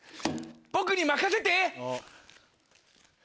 僕に任せて。